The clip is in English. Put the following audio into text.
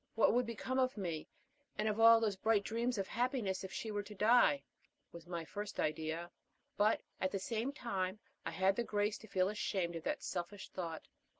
What would become of me, and of all those bright dreams of happiness, if she were to die? was my first idea. But at the same time I had the grace to feel ashamed of that selfish thought.